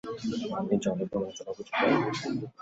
আপনি জলে ভ্রমণের জন্য উপযুক্ত নন।